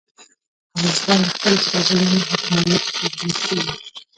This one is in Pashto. افغانستان د خپلو سیلابونو له مخې په نړۍ کې پېژندل کېږي.